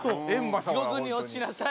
「地獄に落ちなさい」。